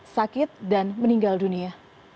sakit dan meninggal dunia